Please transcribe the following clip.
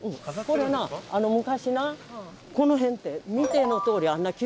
これな昔なこの辺って見てのとおりあんな急峻なんよ。